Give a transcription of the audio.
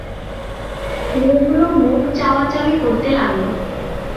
মেয়েগুলো মুখ চাওয়াচাওয়ি করতে লাগল।